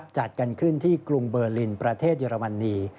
จัดกันขึ้นที่กรุงเบอร์ลินประเทศเยอรมนี